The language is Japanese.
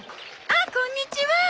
あっこんにちは。